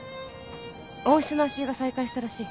温室の足湯が再開したらしい。